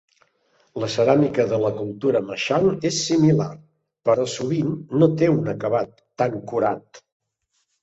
La ceràmica de la cultura Machang és similar, però sovint no té un acabat tan curat.